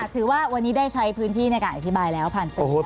ถือว่าวันนี้ได้ใช้พื้นที่ในการอธิบายแล้วผ่านเฟซบุ๊ค